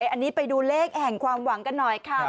อันนี้ไปดูเลขแห่งความหวังกันหน่อยค่ะ